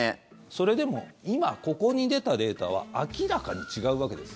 それでも今ここに出たデータは明らかに違うわけです。